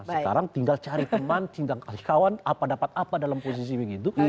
sekarang tinggal cari teman tinggal kasih kawan apa dapat apa dalam posisi begitu